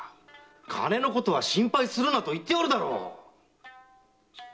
金のことは心配するなと言っておるだろう！